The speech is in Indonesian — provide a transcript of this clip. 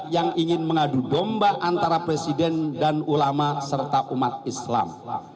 yang ingin mengadu domba antara presiden dan ulama serta umat islam